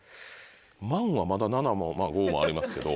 万はまだ７も５もありますけど。